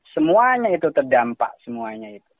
semuanya itu terdampak semuanya itu